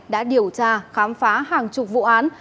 đã điều tra khám phá hàng chục vụ án